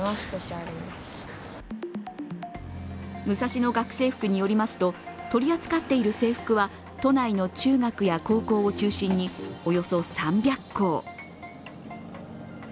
ムサシノ学生服によりますと、取り扱っている制服は都内の中学や高校を中心におよそ３００校。